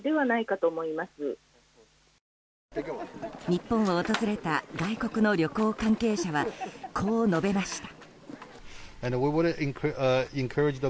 日本を訪れた外国の旅行関係者はこう述べました。